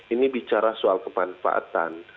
ini bicara soal kemanfaatan